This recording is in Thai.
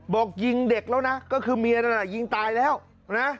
บอกยิงเด็กแล้วนะก็คือเมียนั่นน่ะยิงตายแล้วนะ